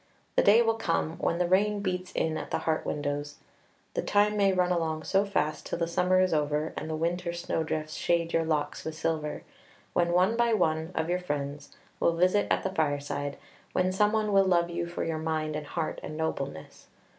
The day will come when the "rain beats in at the heart windows." The time may run along so fast till the summer is over and the winter snow drifts shade your locks with silver, when one by one of your friends will visit at the fireside, when some one will love you for your mind and heart and nobleness.